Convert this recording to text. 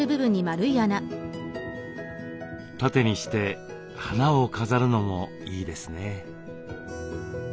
縦にして花を飾るのもいいですね。